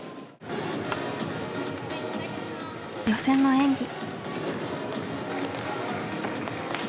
予選の演技。